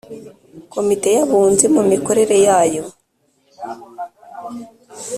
Komite y Abunzi mu mikorere yayo